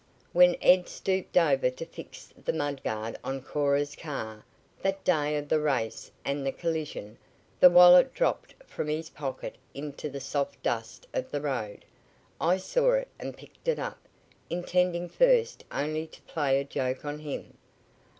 "When Ed stooped over to fix the mud guard on Cora's car, that day of the race and the collision, the wallet dropped from his pocket into the soft dust of the road. I saw it and picked it up, intending first only to play a joke on him.